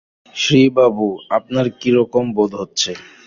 শ্রীশবাবু, আপনার কিরকম বোধ হচ্ছে।